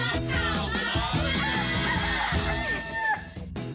คล้ายกันจนบางที